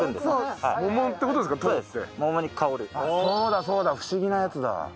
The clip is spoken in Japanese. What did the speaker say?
そうだそうだ不思議なやつだ。